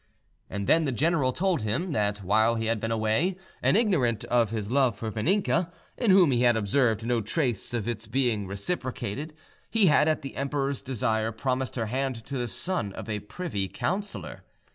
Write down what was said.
And then the general told him, that while he had been away, and ignorant of his love for Vaninka, in whom he had observed no trace of its being reciprocated, he had, at the emperor's desire, promised her hand to the son of a privy councillor.